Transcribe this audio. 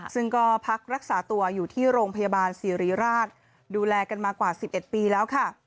ซึ่งก็พักรักษาตัวอยู่ที่โรงพยาบาลสิริราชดูแลกันมากว่า๑๑ปีแล้วค่ะ